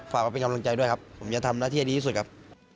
มาเป็นกำลังใจด้วยครับผมจะทำหน้าที่ให้ดีที่สุดครับ